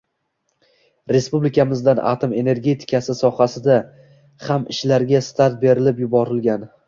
Respublikamizda atom energetikasi sohasida ham ishlarga start berib yuborilgan.